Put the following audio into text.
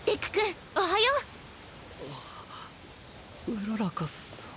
うららかさん。